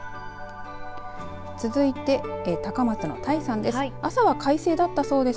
続いて高松の田井さんです。